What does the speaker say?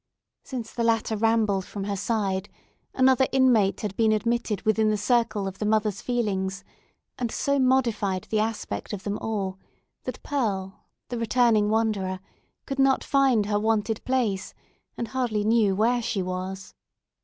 Since the latter rambled from her side, another inmate had been admitted within the circle of the mother's feelings, and so modified the aspect of them all, that Pearl, the returning wanderer, could not find her wonted place, and hardly knew where she was.